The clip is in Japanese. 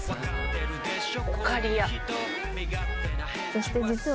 そして実は。